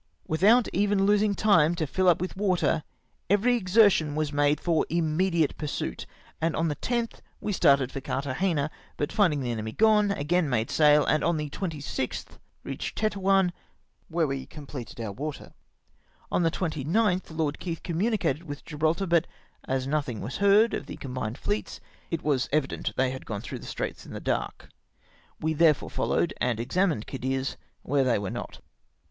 Without even losing time to fill up ^vith water, eveiy exertion was made for immediate pursuit, and on the 10th we started for Carthagena, but finding the enemy gone, again made sail, and on the 26th reached Tetuan, where we completed our water. On the 29th Lord ■ Keith communicated with Gibraltar, but as nothing was heard of the combined fleets, it was evident they had gone through the Straits in the dark ; we therefore fol lowed and examined Cadiz, where they were not.